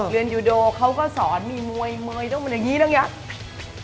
เรียนยูโดเขาก็สอนมีมวยมวยต้องมีอย่างนี้ต้องอย่างนี้